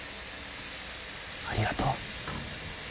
ありがとう。